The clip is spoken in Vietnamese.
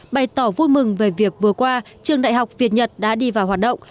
bày tỏ vui mừng về việc vừa qua trường đại học việt nhật đã đi vào hoạt động